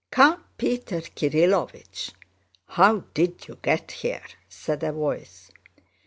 "Count Peter Kirílovich! How did you get here?" said a voice.